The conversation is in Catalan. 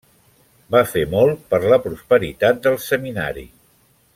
Va fer molt per la prosperitat del seminari.